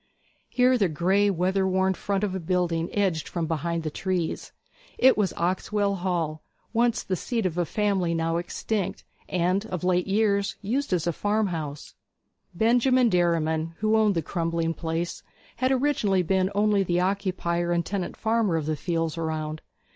Here the grey, weather worn front of a building edged from behind the trees. It was Oxwell Hall, once the seat of a family now extinct, and of late years used as a farmhouse. Benjamin Derriman, who owned the crumbling place, had originally been only the occupier and tenant farmer of the fields around.